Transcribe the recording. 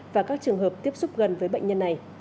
và các trường hợp tiếp xúc gần với bệnh nhân này